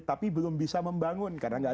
tapi berarti nabi adam menaruh sedikit tanah sajalah